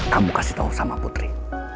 kamu kasih tahu sama putri